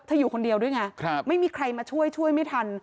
อยู่คนเดียวด้วยไงไม่มีใครมาช่วยช่วยไม่ทัน